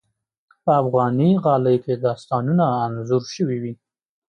په افغاني غالۍ کې داستانونه انځور شوي وي.